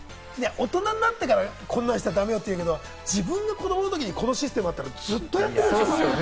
大人になってから、こんなんしたらだめよ？って言うけど、自分が子供のとき、このシステムがあったら、ずっとやってるでしょ。